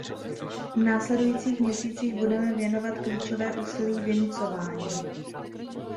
V následujících měsících budeme věnovat klíčové úsilí vynucování.